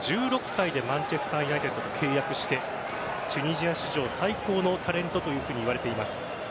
１６歳でマンチェスターユナイテッドと契約してチュニジア史上最高のタレントといわれています。